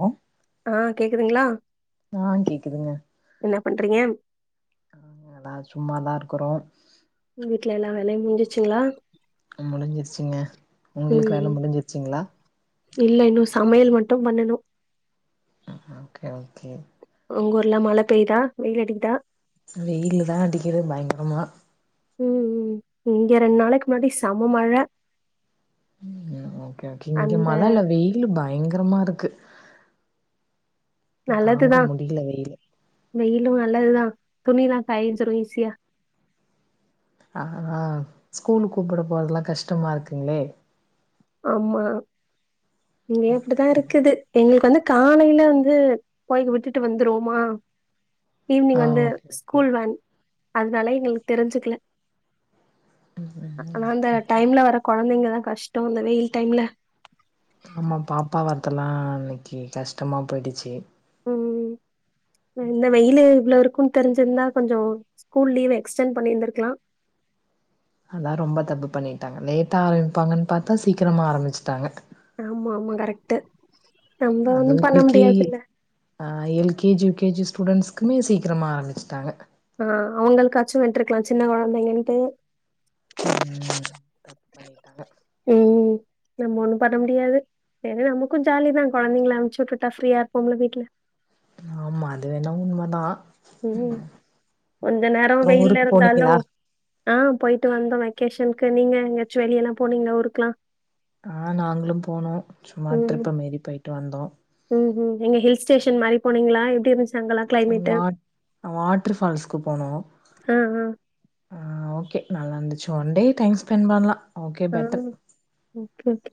ஓ ஆ கேக்குதுங்களா ஆ கேக்குதுங்க என்ன பண்றீங்க ஆ நா சும்மதா இருக் க்குறோ வீட்ல எல்லா வேலையு முஞ்சிச்சிங்களா அ முடிஞ்சிருச்சிங்க உங்களுக்கு ம் வேல முடிஞ்சிருச்சிங்களா இல்ல இன்னு சமையல் மட்டு பண்ணனு ஆ ஓகே ஓகே உங்க ஊர்லா மழ பெயுதா வெயில் அடிக்குதா வெயில்தா அடிக்குது பயங்கரமா ம் ம் இங்க ரெண்டு நாளைக்கு முன்னாடி சம மழ ஓகே ஓகே இங்க அந்த மழ இல்ல வெயில் பயங்கரமா இருக்கு தாங்க முடியல வெயிலு இதுவு நல்லதுதா துணிலா காய்ஞ்சிரு ஈஸியா ஆஹ்ஹ் ஸ்கூலு கூப்ட போறதெல்லா கஷ்டமா இருக்குங்ளே ஆமா இங்கேயு அப்டிதா தா இருக்குது எங்களுக்கு வந்து காலேயில வந்து போய் விட்டுட்டு வந்துருவோமா ஈவினிங் ஆ வந்து ஓகே ஓகே ஸ்கூல் வேன் அதனால எங்களுக்கு தெரிஞ்சுக்கல ஆனா அந்த டைம்ல வர கொழந்தைங்கல்லா கஷ் டவ்ன்ல வெயில் டைம்ல ஆமா பாப்பா வரத்தல்லா அன்னைக்கு கஷ்டமா போயிடுச்சு உம் இந்த வெயிலு இவ்வளவு இருக்கும்னு தெரிஞ்சிருந்தா கொஞ்சோ ஸ்கூல் லீவ்வ எக்ஸ்டென் பண்ணி இருந்திருக்கலா அதா ரொம்ப தப்பு பண்ணிட்டாங்க லேட்டா ஆரம்பிப்பாங்கனு பாத்தா சீக்கிரமா ஆரம்பிச்சுட்டாங்க ஆமா ஆமா கரெக்ட்டு நம்ப ஒன்னு அதுவு பண்ண எல் கே ஜி முடியாதுல்ல ஆ L K G U K G ஸ்டூடெண்ஸ்க்குமே சீக்கிரமாக ஆரம்ச்சுட்டாங்க ஆ அவுங்களுக்காச்சு விட்ருக்கலா சின்ன கொழந்தகன்ட்டு உம் தப்பு பண்ணிட்டாங்க உம் நம்ம ஒன்னும் பண்ண முடியாது ஏன்ன நமக்கு ஜாலிதா கொழந்தைங்கள அனுப்சு விட்டுட்டா ப்ரீயா இருப்போம்ல வீட்ல ஆமா அது வேணா உண்ம தா உம் கொஞ்ச நேரோ அப்றோ வெயில்ல ஊருக்கு இருந்தாலு போனீங்களா ஆ போய்ட்டு வந்தோ வெக்கேஷனுக்கு நீங்க எங்கயாச்சு வெளிய எல்லா போனீங்களா ஊருக்கெல்லா ஆ நாங்களும் போம் சும்மா ட்ரிப்பு மாரி போயிட்டு வந்தோ ம்ம் எங்க ஹில் ஸடேஷன் மாரி போனீங்ளா எப்டி இருந்துச்சு அங்கல்லா கிளைமேட்டு வாட் வாட்டர் ஃபால்ஸ்சுக்கு போனோ ஆ ஆ ம் ஓகே நல்லா இருந்துச்சு ஒன் டே டைம் ஸ்பெண்ட் பண்லா ஓகே ஆ பெட்டர் ஒகே ஓகே ஓகே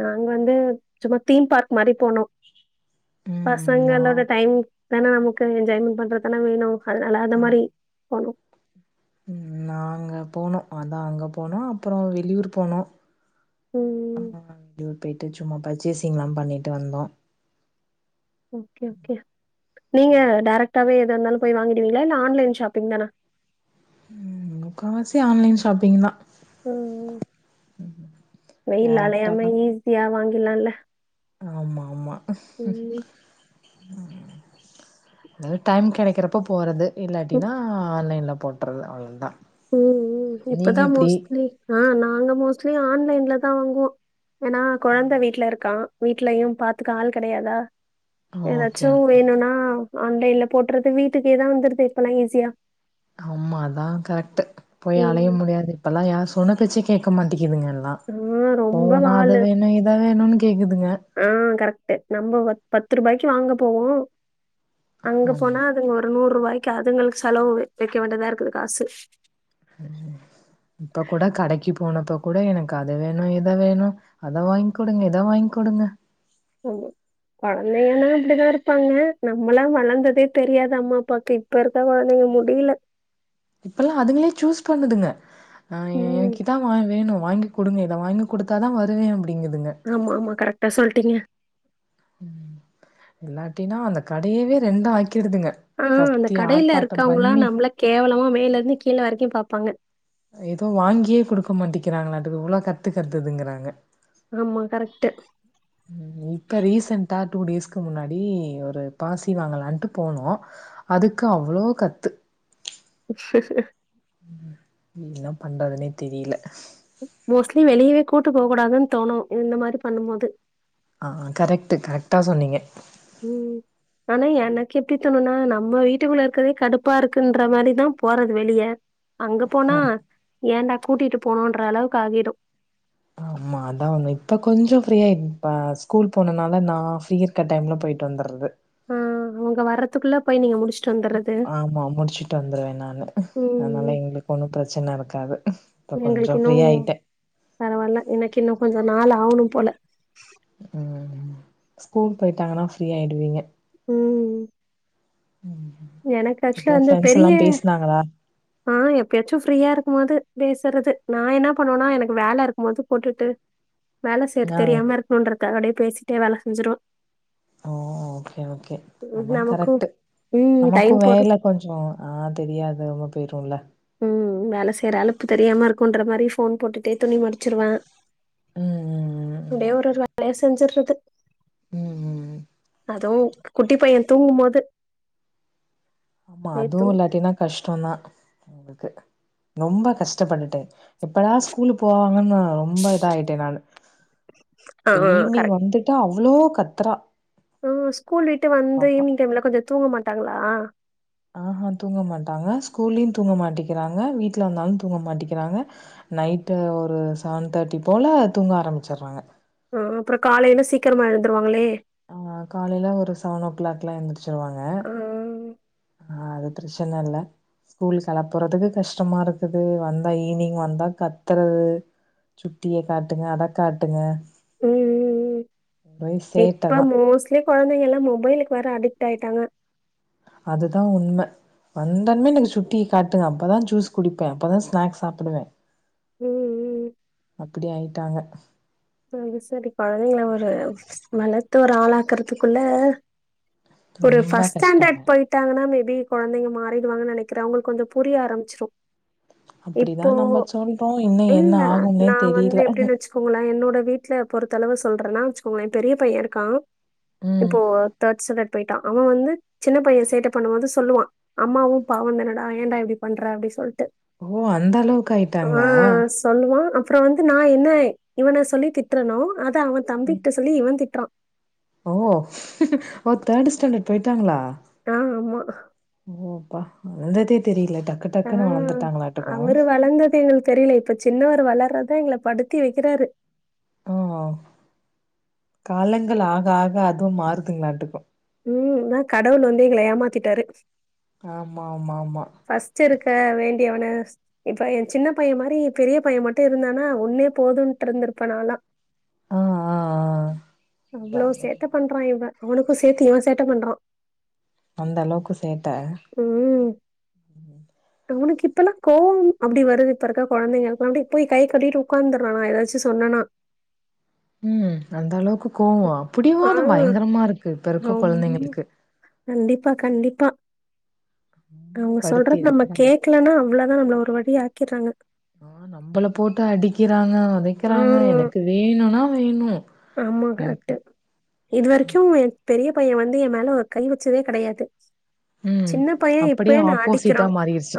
நாங்க வந்து சும்மா தீம் பார்க் மாதிரி போனோ ம் நா பசங்களோட டைம் அதானா நமக்கு என்ஜாய்மென்ட் பண்றதுதான வேணு அதனால அந்த மாதிரி போனோ உம் நாங்க போனோ அதா அங்க போனோ அப்றோ வெளியூர் போனோ ஆ ம். [unintelligible] போய்ட்டு சும்மா பர்சேசிங் எல்லாம் பண்ணிட்டு வந்தோம் ஓகே ஒகே நீங்க கரெக்ட் ஏதா இருந்தாலும் போய் வாங்கிடுவீங்களா இல்ல ஆன்லைன் ஷாப்பிங் தானா முக்கால்வாசி ஆன்லைன் ஷாப்பிங் தான் உஹம் வெயில்ல அலையாமா டேரக்டாலா ஈஸியா வாங்க லாம் ல ஆமா ஆமா ஹ அது டைம் கிடைக்கிறப்ப போறது இல்லாட்டினா ஆன்லைன்ல போட்றது அவ்வளவுதான் ம் ம் இப்பதான் மோஸ்லி ஆஹ நாங்க மோஸ்லி ஆன்லைன்ல தான் வாங்குவான் ஏன்னா கொழந்த வீட்ல இருக்கான் வீட்லயும் பாத்துக்க ஆள் கெடயாதா ஓகே ஏதாச்சு ஓகே வேணும் ன்னா ஆன்லைன்ல போட்றது வீட்டுக்கே தான் வந்துருது இப்பல்லா ஈஸியா ஆமா தான் கரெக்ட்டு போய் அலைய ம். முடியாது இப்பெல்லாம் யார் சொன்ன பேச்சே கேக்கமாட்டேங்குது இவங்கல்லா ஆ போனா அத வேணும் இத வேணும் கே கேக்குது ம் கரக்ட்டு நம்ப பத்து ரூபாய்க்கு வாங்க போவோம் அங்க ஆமா போனா அதுங்க ஒரு நூறு ரூபாய் அதுங்களுக்கு செலவு வைக்க வேண்டுதா இருக்கு காசு ம் இப்ப கூட கடைக்கு போனப்போ கூட எனக்கு அது வேணும் இதை வேணும் அத வாங்கி் குடுங்க இத வாங்கி் குடுங்க ஆமா மெயின் அ குழந்தைன இப்படி இருப்பாங்க நம்மளா வளர்ந்ததே தெரியாத அம்மா அப்பாக்கு இப்ப இருக்கா குழந்தைங்க முடியல இப்பல்லா அதுங்களே சூஸ் பண்ணுதுங்க ஆஹ் ம். எனக்கு இதான் வேணும் வாங்கி கொடுங்க இத வாங்கி கொடுத்தா தான் வருவேன் ஆமா ஆமா கரெக்டா சொல்லிட்டி ட்டிங்க ம் இல்லாட்டினா அந்த கடயவே ரெண்டா ஆக் ஆ அந்த கடைல இருக்கவங்கல்லா பண்ணி நம்மள கேவலமா மே ல இருந்து கீழ வரைக்கு பாப்பாங்க எது வாங்கியே குடுக்க மாட்டிங்கிறாங் அது இவ்ளோ கத்து கத்துதுங்கறாங்க ஆமா கரெக்ட்டு க்கு முன்னாடி ஒரு பாசி வாங்கலாண்ட்டு போனோ அதுக்கு அவ்ளோ கத்து ம் ம் ம் என்ன பண்றதுனே தெரியல மோஸ்ட்லி வெளியவே கூட்டு போகக் கூடாதுனு தோணு இந்த மாரி பண்ணும் போது ஆ கரெக்ட்டு கரெக்ட்டா சொன்னீங்க த்துணுனா நம்ம வீட்டுக்குள்ள இருக்கிறதே கடுப்பா இருக்குன்ற மாரிதா போறது வெளிய அங்க போனா ஆமா ஏண்டா கூட்டிட்டு போணோன்ற அளவுக்கு ஆகிரு ஆமா அதா உண்ம இப்ப கொஞ்ச ஃப்ரீயா இப்ப ஸ்கூல் போனனால நா ஃப்ரீ இருக்க டைம்ல போயிட்டு வந்தர்றது ம் அவுங்க வர்றதுக்குள்ள போய் நீங்க முடிச் ஆமா முடிச்சுட்டு வந்துருவே நானு அதனால ம் எங்களுக்கு ஒண்ணு பிரச்சன இருக்காது இப்ப கொஞ்சோ எங்களுக்கு இன்னு ஃப்ரீ ஆயிட்டே ச நாள் ஆவுணு போல ம் ஸ்கூல் போயிட்டாங்கனா ஃப்ரீயாயிடுவீங்க ம் ம் எனக்கு ஆக்சுலா அப்றோ வந்து ஃப்ரெண்ட்ஸ் பெரிய எல்லா பேசுனாங்களா? ஆ எப்பயாச்சு ஃப்ரீயா இருக்கும் போது பேசுறது நா என்ன பண்ணுவேனா எனக்கு வேல இருக்கும் போது போட்டுட்டு வேல செய்யறது ஆ தெரியாம இருக்கணுன்றது க்காக அப்டியே பேசிட்டே வேல செஞ்சிருவ ஓ ஓகே ஓகே அதா நமக்கு கரெக்ட்டு ம் நமக்கு டைம் போற வேல கொஞ்சோ ஆ தெரியாது உள்ள போயிருவோ ல்ல ம் வேல செய்ற அலுப்பு தெரியாம இருக்குன்ற மாரி ஃபோன் போட்டுட்டே துணி மடிச்சிருவே ம் ம் ம் ம். அப்டியே ஒரு ஓகே ஒரு வேலயா செஞ்சுர்றது ம் ம் அதுவு குட்டிப் பைய தூங்கும்போது ஆமா அதுவு இல்லாட்டினா கஷ்டோந்தா உங்களுக்கு ரொம்ப கஷ்டப்பட்டுட்டே எப்பதா ஸ்கூலு போவாங்கன்னு ரொம்ப இதாயிட்டே நானு ஆ இப்ப ஆ ஈவினிங் வந்துட்டா அ வ்ளோ கத்றா ம் ஸ்கூல் விட்டு வந்து ஈவினிங் டைம்ல கொஞ்ச தூங்க மாட்டாங்களா ஆ ஆஹ தூங்கமாட்டாங்க ஸ்கூல்லியு தூங்க மாட்டிக்கிறாங்க வீட்ல வந்தாலும் தூங்கமாட்டிக்கிறாங்க நைட் ஒரு சவன் தேர்டி போல தூங்க ஆரம்பிச்சிறாங்க ஆ அப்புறோ காலைல சீக்கிரமா எழுந்துருவாங்களே ஆ காலையில ஒரு செவன் நோ கிளாக்லா எந்திரிச் ச்சிருவாங்க ஆ ம் ஆ அது திரச்சன இல்ல ஸ்கூல் கெலப்பறதுக்கு கஷ்டமா இருக்குது வந்தா ஈவினிங் வந்தா கத்துறது சுட்டிய காட்டுங்க அத காட்டுங்க ம் ம்ம் ஒரே சேட்ட இப்ப தா மோஸ்லி கொழந்தைங்க எல்லா மொபைலுக்கு வேற அடிக்ட் ஆயிட்டாங்க அதுதா உண்ம வந்தான்மே எனக்கு சுட்டி காட்டுங்க அப்பதா ஜூஸ் குடிப்பே அப்பதா ஸ்நாக்ஸ் சாப்பிடுவே ம் அப்பிடி ஆயிட்டாங்க அது சரி கொழந்தைங்க ஒரு வளந்து ஒரு ஆளாக்குறதுக்குள்ள ஒரு ரொம்ப ஃபர்ஸ்ட் கஷ்டங்க ஸ்டாண்டர்ட் போயிட்டாங்கன்னா மேப் பி கொழந்தைங்க மாறிடுவாங்க நெனைக்கிறே உங்களுக்கு கொஞ்சோ புரிய ஆரம்பிச்சிரு அப்படிதா இப்போ நம்ம சொல்றோ இன்னு என்ன இல்ல. ஆகுனே தெரியல ட்ட வீட்ல பொறுத்த அளவு சொல்றன்னா வச்சுக்கோளே பெரிய பைய இருக்கா ம் இப்போ தேர்டு ஸ்டாண்டர்ட் போயிட்டா அவ வந்து சின்ன பையன் சேட்ட பண்ணுவா போது சொல்லுவா அம்மாவு பாவந்தானடா ஏன்டா இப்பிடி பண்ற அப்பிடி சொல்லிட்டு ஓ அந்த அளவுக்கு ஆயிட்டாங்களா ப்புறோ வந்து நா என்ன இவன சொல்லி திட்டரனோ த்த அவ தம்கிட்ட சொல்லி இவ திட்றா ஓ ஓ தேர்டு ஸ்டாண்டர்ட் போயிட்டாங்களா ஆ ஆமா. ஓ அப்பா வளந்ததே தெரியல டக்கு ஆ டக்குன்னு வளந்துட்டாங்களாட்டுக்கு அவுரு வளந்தது எங்களுக்கு தெரியல இப்ப சின்னவர் வளரத் தா எங்கள படுத்தி வைக்கிறாரு ஓ காலங்கள் ஆக ஆக அதுவு மாறுதுங்களாட்டுக்கு ம்னா கடவுள் வந்து எங்கள ஏமாத்திட்டாரு ஆமா ஆமா ஆமா ஃபர்ஸ்ட் இருக்க வேண்டியவன இப்ப எ சின்ன பைய மாதிரி பெரிய பைய மட்டு இருந்தானா ஒன்னே போதுன்ட்டு இருந்திருப்பே நாலா ஆ ஆ ஆ அவ்ளோ அதான். சேட்ட பண்றா இவெ அவனுக்கு சேத்து இவ சேட்ட பண்றா அந்த அளவுக்கு சேட்டா அவனுக்கு இப்பெல்லா கோவ அப்டி வருது இப்ப இருக்க கொழந்தைங்களுக்லா அப்டி போய் கை கட்டிட்டு உட்காந்துறா நா ஏதாச்சு சொன்னேனா உம் அந்த அளவுக்கு கோவோ ஆ பிடிவாதோ பயங்கரமா இருக்கு இப்ப இருக்க ரொம் கொழந்தைங்களுக்கு கண்டிப்பா கண்டிப்பா ரொம்ப அவுங்க படுத்தி சொல்றத நம்ம எடுக்குறாங்க கேக்கலனா அவ்வளவுதா நம்மள ஒரு வழி ஆக்கிறாங்க ஒதைக்குறாங்க ம் எனக்கு வேணுனா வேணு ஆமா கரெக்ட்டு எனக்கு இது வரைக்கு பெரிய பெரிய பைய வந்து எ மேல ஒரு கை வச்சதே கெடயாது ம் சின்ன பைய அப்படியே இப்பயே என்ன அடிக்குறா ஆப்போசிட்டா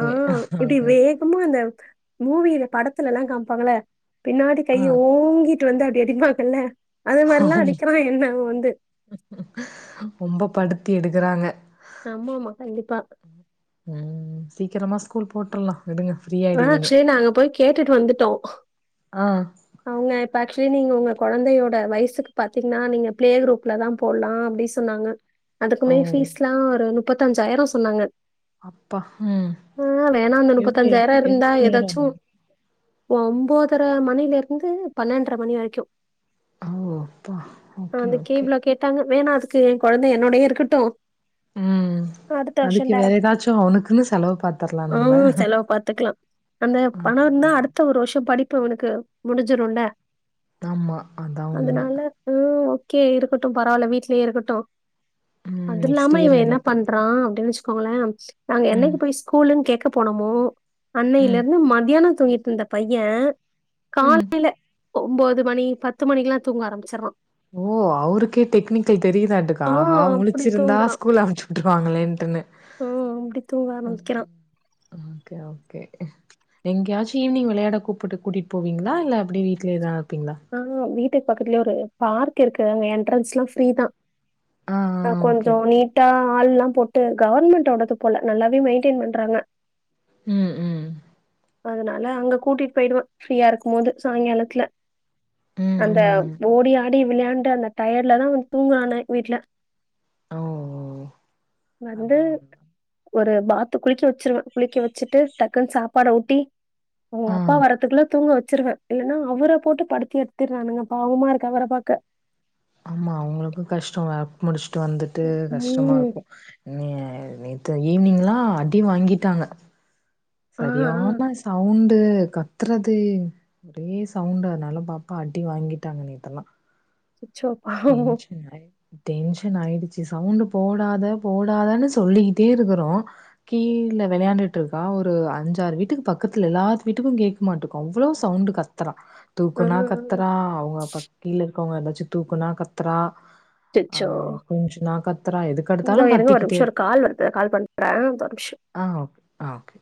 ஆ இப்டி ஆ வேகமா அந்த மூவியில படத்த த்தலல்லா காமிப்பாங்கள பின்னாடி கைய ஆ ஓங்கி வந்து அப்டி அடிப்பாங்கள்ள ஆமா ரொம்ப படுத்து தி எடுக்குறாங்க ஆமா ஆமா கண்டிப்பா உம் சீக்கிரமா ஸ்கூல் போட்ருல்லா ஆ ஆக்சுவலி நாங்க போய் கேட்டுட்டு வந்துட்டோ ஆ அவுங்க இப்ப ஆக்சுவலி நீங்க உங்க கொழந்தையோட வயசுக்கு பாத்தீங்னா நீங்க பிளே குரூப்ல தா போடலா அப்டி சொன்னாங்க ஓ அதுக்குமே ஃபீஸ்ல்லா ஒரு முப்பத்தஞ்சாயிரோ சொன்னாங்க அப்பா உம் ஆ, வேணா அந்த எவ்ள எவ்ளோ நேரோ ஒம்போதர மணில வந்து பண்னென்ர மணி வரைக்கு ஓ அப்பா ஓகே அந்த ஓகே கேவ்ல கேட்டாங்க வேணா அதுக்கு எ கொழந்த என்னோடயே இருக்கட்டு ம் அடுத்த வருஷோ அதுக்கு வேற ரைடக்டு ஏதாச்சு அவனுக்குன்னு செலவு பாத்தர்லா ஆ நம்ப செலவு பாத்துக்லா அந்த பண இருந்தா ஆமா அடுத்த ஒரு வருஷ படிப்பு இப்போ உனக்கு முடிஞ்சிரும்ல ஆமா அதா உண்ம அதனால ஹம் கே இருக்கட்டும் பரவாயில்ல வீட்லயே இருக்கட்டும் ம் நெக்ஸ்ட் அதுல்லாம இயர் இவன் வேணா என்ன பாத்துக் பண்றான் அப்படின்னு போலாம் நாங்க ம் என்னைக்கு போய் ஸ்கூலு கேக்க போனமோ அன்னையில ம் இருந்து மத்தியம் தூங்கிட்டு இருந்த பையன் ம் காலையில ஒன்பது மணி பத்து மணிக்கெலாம் தூங்க ஆரம்மிச்சுறான் ஓ அவருக்கே டெக்னிக்கல் தெரியதான்ட்டுக்க ஆ அஹா அப்டி முழிச்சிருந்தா தூங்குறா ஸ்கூல் அமைச்சுட்டுருவாங்களேன்ட்டு ஆ அப்டி தூங்க ஆரம்பிக்கிறா எங்கேயாச்சும் ஈவினி்ங் விளையாட கூப்பிட்டு கூட்டிகிட்டு போவீங்களா இல்ல அப்படி வீட்லேத ஆஹ் வீட்டு பக்கத்துலயே ஒரு பார்க் இருக்குதுங்க என்ட்ரன்ஸ் எல்லாம் ஃப்ரீ தான் ஆ ஆஹ ஆ ஓகே கொஞ்சம் நீட்டா ஆள் எல்லாம் போட்டு கவர்மெண்டோடது போல நல்லாவே மெயின்டென் பண்றாங்க ம்ம் அதனால அங்க கூட்டிட்டு போயிடுவேன் ஃப்ரீயா இருக்கும் போது சாயங்காலத்துல ம் அங்க ம் ஓடி ஆடி வெளையாண்டு அந்த டயடு தான் வந்து தூங்கனானே வீட்டுல ஓ ஓ வந்து அதான் ஒரு பாத்து குளிக்க வச்சிருவேன் குளிக்க வச்சுட்டு டக்குனு சாப்பாட ஊட்டி ஓ ஆ அப்பா வரறத்துக்குல்லாம் தூங்க வச்சு வச்சுருவேன் இல்லனா அவுர போட்டு படுத்து த்தி எடுத்துடுறானுங்க பாவமா இருக்கும் அவர பாக்க ஆமா அவங்களுக்கும் கஷ்டம் வேல முடிச்சு விட்டு வந்துட்டு கஷ்டமா ம். இருக்கும் நீ ஈவினிங்லாம் அடிவாங்கிட்டாங்க ஆ, ஆ. சரியான சவுண்ட்டு ட்டு கத்துறது ஒரே சவுண்டு அனாலு பாப்பா அடி வாங்கிட்டாங் நேத்தெல்லா ச்சோ பாவோ டென்ஷன் ஆயி டென்ஷன் ஆயிடுச்சி சவுண்ட போடாத போடாதன் சொல்லிக்கிட்டே இருக்கறோ கீழ விளையாண்டுட்டுருக்கா ஒரு அஞ்சாறு வீட்டுக்கு பக்கத்துல எல்லா வீட்டுக்கு கேட்குமாட்டுக்கு அவ்ளோ சவுண்டு கத்தரா ஆ, தூக்கனா ஆ. கத்தரா அவுங்க அப்பா கீழ போங்க எதாச்சு தூக்கனா கத்தரா சச்சோ இந்தோ எதுக்கெடுத்தாலும் இருங்க ஒர் கத்திக்கிட்டே நிமிஷோ ஒரு இருக்கா. கால் வருது கால் பண்றே தா ஒர் நிமிஷோ ஆ ஓகே. ஆ ஓகே